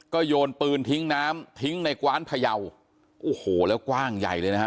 โยนปืนทิ้งน้ำทิ้งในกว้านพยาวโอ้โหแล้วกว้างใหญ่เลยนะฮะ